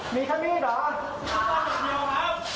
มีขั้นมีชเหรอ